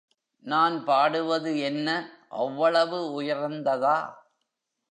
நான் பாடுவது என்ன, அவ்வளவு உயர்ந்ததா?